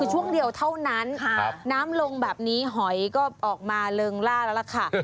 ช่วงเดียวเท่านั้นน้ำลงแบบนี้หอยก็ออกมาเริงล่าแล้วล่ะค่ะ